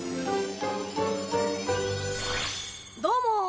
どうも！